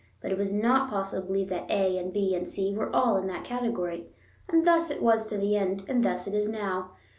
But it was not possible to believe that A and B and C were all in that category. And thus it was to the end, and thus it is now.